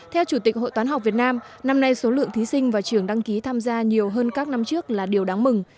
theo chủ tịch hội toán học việt nam năm nay số lượng thí sinh và trường đăng ký tham gia nhiều hơn các năm trước là điều đáng mừng